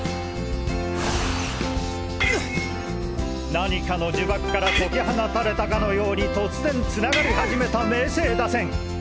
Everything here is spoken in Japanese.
何かの呪縛から解き放たれたかのように突然つながり始めた明青打線！